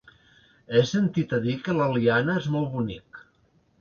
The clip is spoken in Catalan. He sentit a dir que l'Eliana és molt bonic.